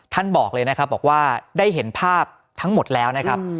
บอกเลยนะครับบอกว่าได้เห็นภาพทั้งหมดแล้วนะครับ